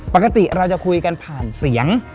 ปกติเราจะคุยกันผ่านเสียง